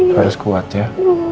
harus kuat ya